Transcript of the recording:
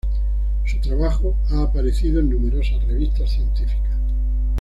Su trabajo ha aparecido en numerosas revistas científicas.